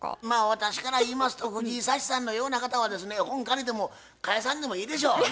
まあ私から言いますと藤井サチさんのような方はですね本借りても返さんでもいいでしょ。